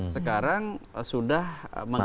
sekarang sudah mengantongi